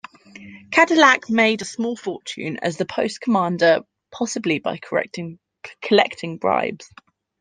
Cadillac made a small fortune as the post commander, possibly by collecting bribes.